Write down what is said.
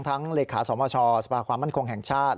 เลขาสมชสภาความมั่นคงแห่งชาติ